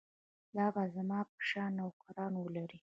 دا به زما په شان نوکران ولري.